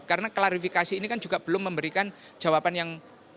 karena klarifikasi ini kan juga belum memberikan jawaban yang